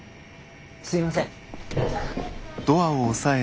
すいません。